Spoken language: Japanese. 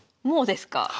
もうですか？